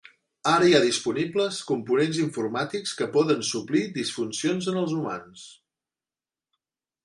Ara hi ha disponibles components informàtics que poden suplir disfuncions en els humans.